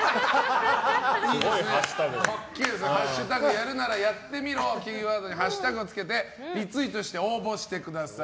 「＃やるならやってみろ」をキーワードにハッシュタグをつけてリツイートして応募してください。